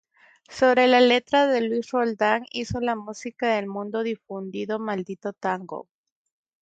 Sobre letra de Luis Roldán hizo la música del muy difundido "Maldito tango".